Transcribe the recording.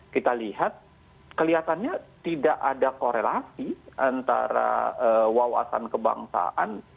kita lihat kelihatannya tidak ada korelasi antara wawasan kebangsaan